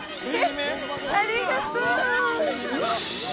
ありがとう！